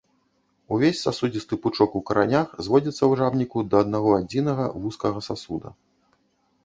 Увесь сасудзісты пучок у каранях зводзіцца ў жабніку да аднаго-адзінага вузкага сасуда.